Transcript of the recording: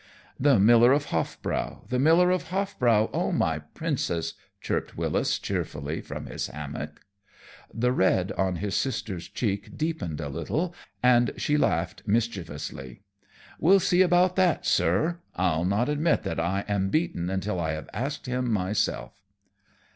"'The Miller of Hoffbau, the Miller of Hoffbau, O my Princess!'" chirped Wyllis, cheerfully, from his hammock. The red on his sister's cheek deepened a little, and she laughed mischievously. "We'll see about that, sir. I'll not admit that I am beaten until I have asked him myself."